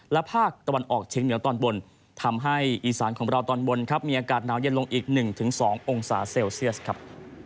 และภาคตะวันออกเชียงเหนือตอนบนทำให้อีสานของเราตอนบนครับมีอากาศหนาวเย็นลงอีก๑๒องศาเซลเซียสครับ